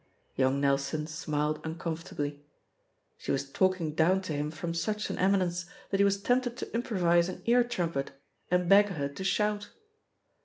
Yoxmg Nelson smiled uncomfortably. She was talking down to him from such an eminence that he was tempted to improvise an ear trum pet, and beg her to shout.